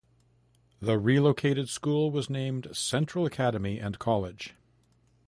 The relocated school was named Central Academy and College.